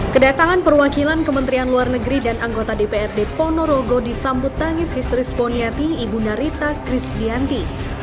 kedatangan perwakilan kementerian luar negeri dan anggota dprd ponorogo disambut tangis histeris ponyati ibunda rita kris dianti